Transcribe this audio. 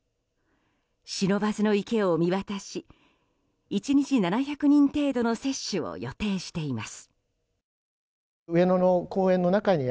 不忍池を見渡し１日７００人程度の接種を予定しています。